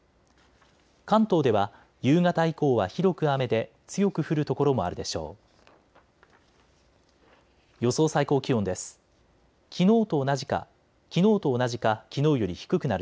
関東では夕方以降は広く雨で強く降る所もあるでしょう。